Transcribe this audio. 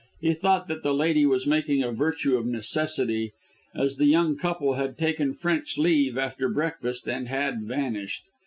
He thought that the lady was making a virtue of necessity, as the young couple had taken French leave after breakfast and had vanished.